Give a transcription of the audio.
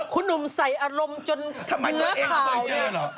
ทำไมตัวเองก็ไม่เจอเหรอ